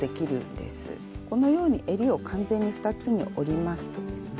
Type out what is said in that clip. このようにえりを完全に２つに折りますとですね